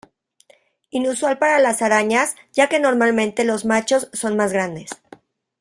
Inusual para las arañas, ya que normalmente los machos son más grandes.